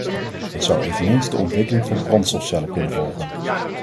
Het zou eveneens de ontwikkeling van brandstofcellen kunnen volgen.